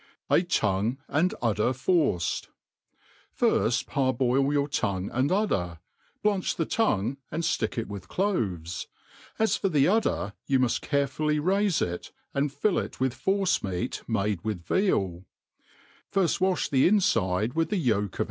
j( Tongue and Vdder firceJ* FIRST parboil your tongue and udder, blanch t|)e tongue ^nd ftick it with cloves ; as for the udder, you mud carefully raifeit, and fill it with force mea; made with veal: firft wai4 |he infide with the yolk of.